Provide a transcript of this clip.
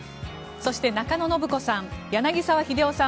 そして、中野信子さん